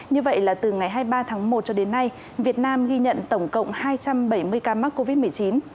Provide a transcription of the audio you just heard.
như vậy là từ ngày hai mươi ba tháng một cho đến nay việt nam ghi nhận tổng cộng hai trăm bảy mươi ca mắc covid một mươi chín